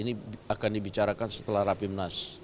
ini akan dibicarakan setelah rapimnas